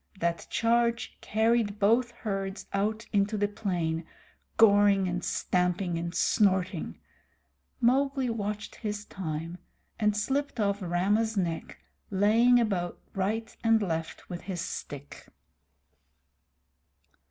That charge carried both herds out into the plain, goring and stamping and snorting. Mowgli watched his time, and slipped off Rama's neck, laying about him right and left with his stick.